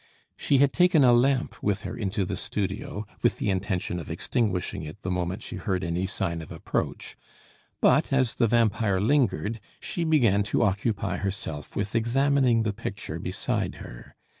She had taken a lamp with her into the studio, with the intention of extinguishing it the moment she heard any sign of approach; but as the vampire lingered, she began to occupy herself with examining the picture beside her.